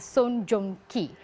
sun jong ki